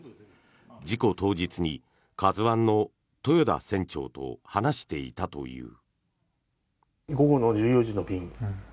事故当日に「ＫＡＺＵ１」の豊田船長と話していたという。